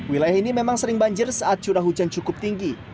wilayah ini memang sering banjir saat curah hujan cukup tinggi